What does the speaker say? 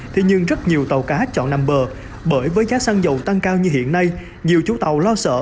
thì nhưng rất nhiều tàu cá chọn nằm bờ bởi với giá xăng dầu tăng cao như hiện nay nhiều chúng tàu lo sợ chưa ra khơi đã lỗ